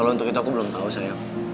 kalau untuk itu aku belum tahu saya